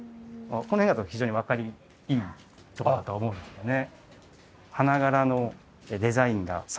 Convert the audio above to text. この辺だと非常に分かりいいかと思うんですね